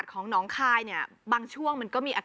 สุดยอดน้ำมันเครื่องจากญี่ปุ่น